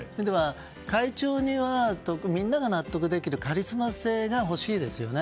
会長にはみんなが納得できるカリスマ性が欲しいですよね。